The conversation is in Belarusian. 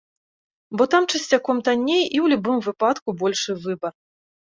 Бо там часцяком танней, і ў любым выпадку большы выбар.